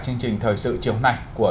chương trình thời sự chiều này của